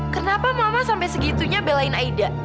kenapa mama sampai segitunya belain aida